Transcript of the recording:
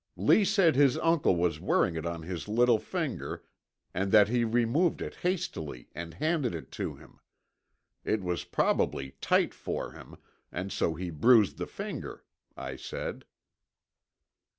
Lee said his uncle was wearing it on his little finger and that he removed it hastily and handed it to him. It was probably tight for him, and so he bruised the finger," I said.